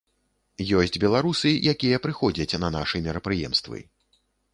Ёсць беларусы, якія прыходзяць на нашы мерапрыемствы.